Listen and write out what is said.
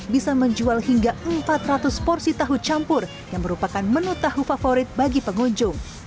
bisa menjual hingga empat ratus porsi tahu campur yang merupakan menu tahu favorit bagi pengunjung